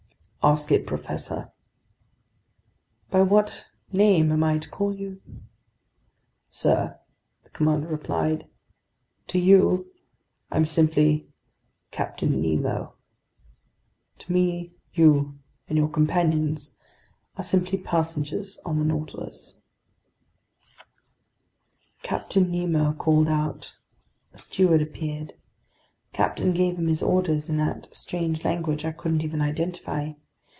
"Ask it, professor." "By what name am I to call you?" "Sir," the commander replied, "to you, I'm simply Captain Nemo;* to me, you and your companions are simply passengers on the Nautilus." *Latin: nemo means "no one." Ed. Captain Nemo called out. A steward appeared. The captain gave him his orders in that strange language I couldn't even identify.